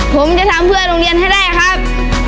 ผมจะทำเพื่อโรงเรียนให้ได้ครับ